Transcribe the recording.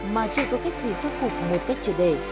mà chưa có cách gì phát phục một cách trở để